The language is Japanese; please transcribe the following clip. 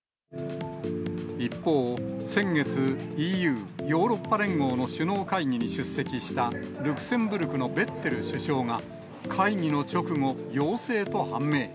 一方、先月、ＥＵ・ヨーロッパ連合の首脳会議に出席したルクセンブルクのベッテル首相が会議の直後、陽性と判明。